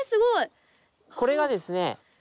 これがですね